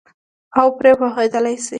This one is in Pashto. او پرې پوهېدلای شي.